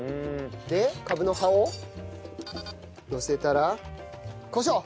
でカブの葉をのせたらコショウ